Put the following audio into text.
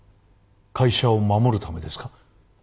会社を守るためですか？